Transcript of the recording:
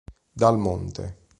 Dal Monte